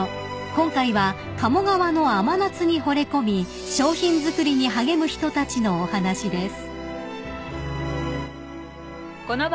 ［今回は鴨川の甘夏にほれ込み商品作りに励む人たちのお話です］